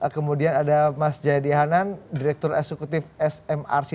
kemudian ada mas jayadi hanan direktur eksekutif smrc